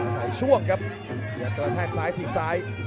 ถ่ายช่วงครับยันตัวแทกซ้ายถี่ซ้าย